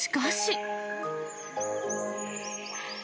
しかし。